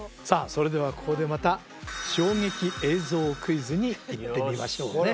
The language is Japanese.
それではここでまた衝撃映像クイズにいってみましょうね